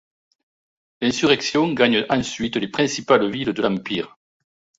L'insurrection gagne ensuite les principales villes de l'Empire.